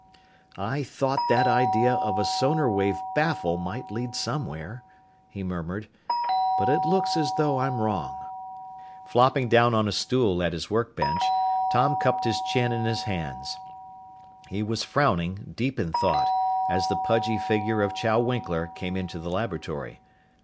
"I thought that idea of a sonar wave baffle might lead somewhere," he murmured, "but it looks as though I'm wrong." Flopping down on a stool at his workbench, Tom cupped his chin in his hands. He was frowning, deep in thought, as the pudgy figure of Chow Winkler came into the laboratory.